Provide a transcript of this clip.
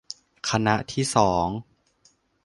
คณะที่สอง